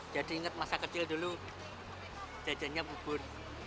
jadi ingat masa kecil dulu jajanya bubur